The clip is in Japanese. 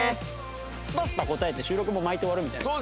スパスパ答えて収録も巻いて終わるみたいな。